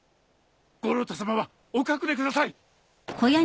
五郎太さまはお隠れください。